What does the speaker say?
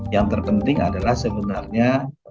yang terpenting adalah sebenarnya